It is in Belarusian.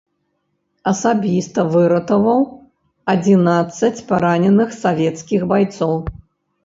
Асабіста выратаваў адзінаццаць параненых савецкіх байцоў.